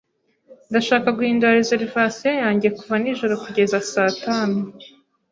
Ndashaka guhindura reservation yanjye kuva nijoro kugeza saa tanu.